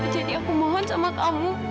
jadi aku mohon sama kamu